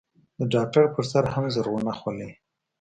د ډاکتر پر سر هم زرغونه خولۍ.